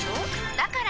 だから！